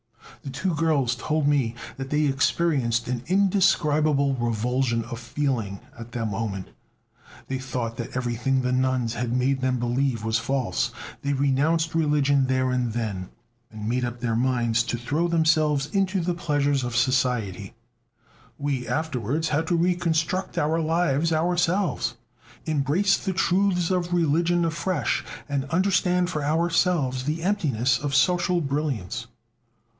The two girls told me that they experienced an indescribable revulsion of feeling at the moment; they thought that everything the nuns had made them believe was false; they renounced religion there and then, and made up their minds to throw themselves into the pleasures of society. "We afterwards had to reconstruct our lives ourselves, embrace the truths of religion afresh, and understand for ourselves the emptiness of social brilliance."